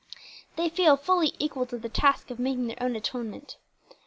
They feel fully equal to the task of making their own atonement.